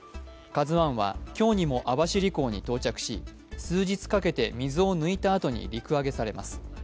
「ＫＡＺＵⅠ」は今日にも網走港に到着し数日かけて水を抜いたあとに陸揚げされます。